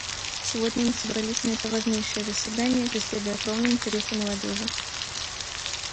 Сегодня мы собрались на это важнейшее заседание, преследуя кровные интересы молодежи.